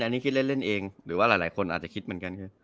อันนี้คิดเล่นเองหรือว่าหลายคนอาจจะคิดเหมือนกันคือ